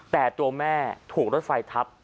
แต่ตัวแม่ถูกรถไฟทับ